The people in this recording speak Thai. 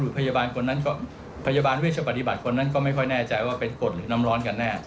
พยาบาลเวชปฏิบัติคนนั้นก็ไม่ค่อยแน่ใจว่าเป็นกดหรือน้ำร้อนกันแน่